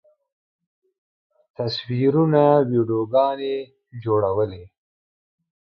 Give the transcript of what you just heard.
تصویرونه، ویډیوګانې جوړولی